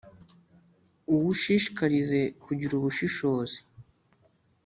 uwushishikarize kugira ubushishozi